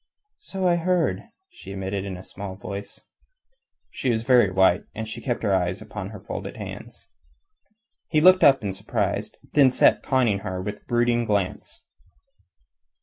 "So I heard," she admitted in a small voice. She was very white, and she kept her eyes upon her folded hands. He looked up in surprise, and then sat conning her with brooding glance.